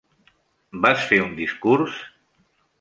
Vas fer un discurs?